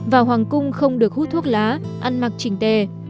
và hoàng cung không được hút thuốc lá ăn mặc chỉnh tề